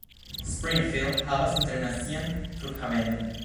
Springfield havas internacian flughavenon.